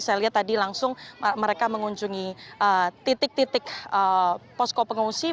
saya lihat tadi langsung mereka mengunjungi titik titik posko pengungsi